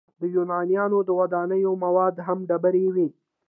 د یونانیانو د ودانیو مواد هم ډبرې وې.